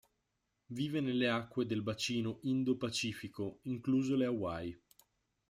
Vive nelle acque del bacino Indo-Pacifico, incluso le Hawaii.